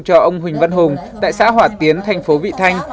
cho ông huỳnh văn hùng tại xã hỏa tiến thành phố vị thanh